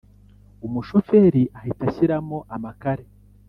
umushoferi ahita ashyiramo amakare